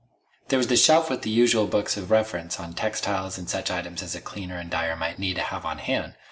There was the shelf with the usual books of reference on textiles and such items as a cleaner and dyer might need to have on hand.